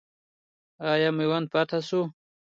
آیا میوند فتح سو؟